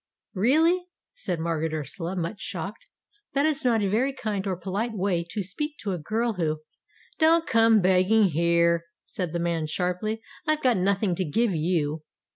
"Really," said Margaret Ursula, much shocked, "that is not a very kind or polite way to speak to a girl who " "Don't come begging here," said the man sharply. "I've got nothing to give you."